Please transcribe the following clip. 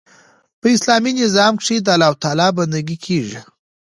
په اسلامي نظام کښي د الله تعالی بندګي کیږي.